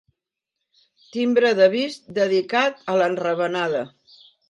Timbre d'avís dedicat a l'enrevenada.